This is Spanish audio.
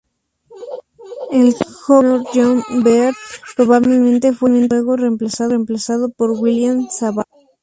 El joven tenor John Beard probablemente fue luego reemplazado por William Savage.